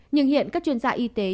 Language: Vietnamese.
nhưng hiện các chuyên gia y tế